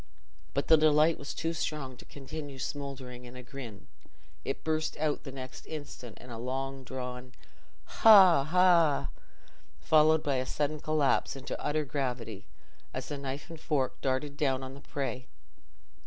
But the delight was too strong to continue smouldering in a grin—it burst out the next instant in a long drawn "haw, haw!" followed by a sudden collapse into utter gravity, as the knife and fork darted down on the prey.